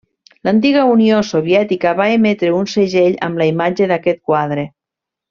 L'antiga Unió Soviètica va emetre un segell amb la imatge d'aquest quadre.